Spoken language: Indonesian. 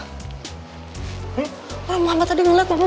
ma mama tadi ngeliat mama berdua sama cewek